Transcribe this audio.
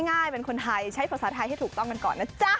ง่ายเป็นคนไทยใช้ภาษาไทยให้ถูกต้องกันก่อนนะจ๊ะ